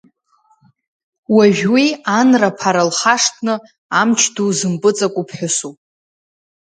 Уажә уи анра-ԥара лхашҭны, амчду зымпыҵаку ԥҳәысуп.